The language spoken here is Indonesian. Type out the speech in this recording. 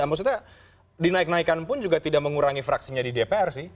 maksudnya dinaik naikan pun juga tidak mengurangi fraksinya di dpr sih